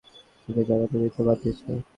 তিনি আমাকে জাতপাতের ভিত্তিতে বাদ দিয়েছেন।